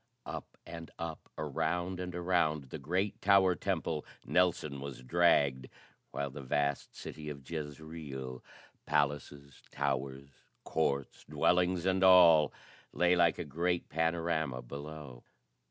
Up and up, around and around the great tower temple, Nelson was dragged, while the vast city of Jezreel, palaces, towers, courts, dwellings and all, lay like a great panorama below.